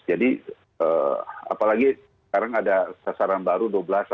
jadi apalagi sekarang ada sasaran baru dua belas